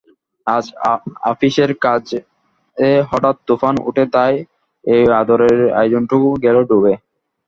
আজ আপিসের কাজে হঠাৎ তুফান উঠে তার এই আদরের আয়োজনটুকু গেল ডুবে।